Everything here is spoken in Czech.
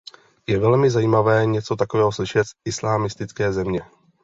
Je velmi zajímavé něco takového slyšet z islamistické země.